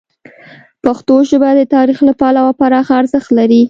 پښتو ژبه د تاریخ له پلوه پراخه ارزښت لري.